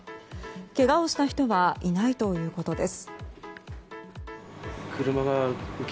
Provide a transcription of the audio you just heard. けがをした人はいないということです。